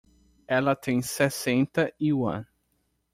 Ela tem sessenta yuan